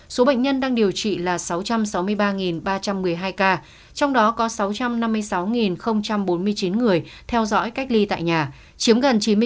số bệnh nhân đang điều trị là sáu trăm sáu mươi ba ba trăm một mươi hai ca trong đó có sáu trăm năm mươi sáu bốn mươi chín người theo dõi cách ly tại nhà chiếm gần chín mươi chín